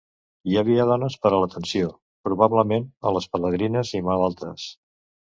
Hi havia dones per a l'atenció, probablement, a les pelegrines i malaltes.